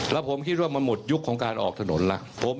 แล้วผมคิดว่ามันหมดยุคของการออกถนนแล้ว